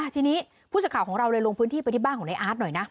ทีนี้ผู้สื่อข่าวของเราเลยลงพื้นที่ไปที่บ้านของในอาร์ตหน่อยนะ